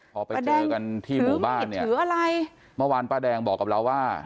พอไปเจอกันที่หมู่บ้านเมื่อวานป้าแดงบอกกับเราว่า